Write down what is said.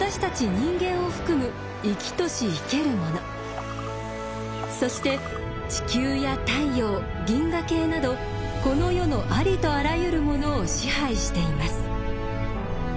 人間を含む生きとし生けるものそして地球や太陽銀河系などこの世のありとあらゆるものを支配しています。